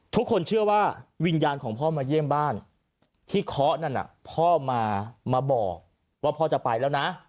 ทุกคนเชื่อว่าวิญญาณของพ่อมาเยี่ยมบ้านที่เคาะนั่นน่ะพ่อมาบอกว่าพ่อจะไปแล้วนะ